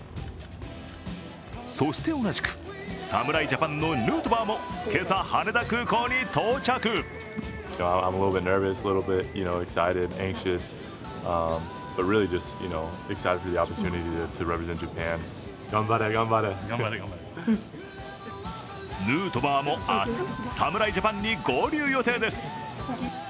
そして同じく侍ジャパンのヌートバーも今朝、羽田空港に到着ヌートバーも明日、侍ジャパンに合流予定です。